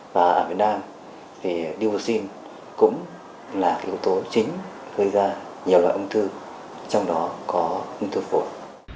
và ở việt nam thì điều vụ sinh cũng là cái ưu tố chính gây ra nhiều loại ung thư trong đó có ung thư phổi